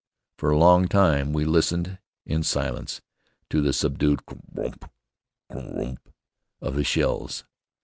For a long time we listened in silence to the subdued crr ump, crr ump, of the shells.